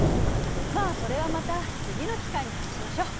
まあそれはまた次の機会に話しましょう。